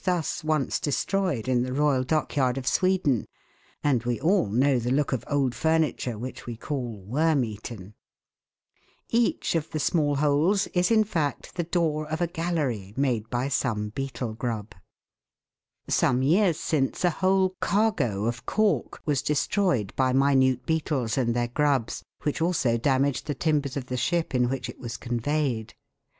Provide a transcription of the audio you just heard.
203 thus once destroyed in the royal dockyard of Sweden, and we all know the look of old furniture which we call " worm gallery made by some beetle grub. Some years since a whole cargo of cork was destroyed by minute beetles and their grubs, which also damaged the timbers of the ship in which it was conveyed.